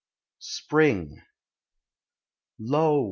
SPRING. Lo!